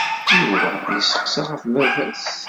Yuba yesseqsa ɣef baba-s.